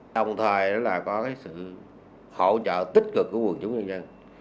đồng thời có sự hỗ trợ tích cực của quân chủ nhân dân